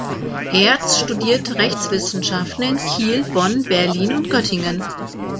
Hertz studierte Rechtswissenschaften in Kiel, Bonn, Berlin und Göttingen.